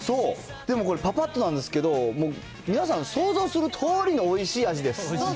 でもこれ、ぱぱっとなんですけど、もう皆さん、想像するとおりのおいしい味です。